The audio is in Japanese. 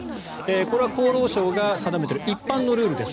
これは厚労省が定めている一般のルールです。